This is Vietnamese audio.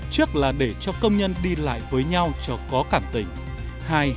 trước là để cho công nhân đi lại với nhau cho có cảm tình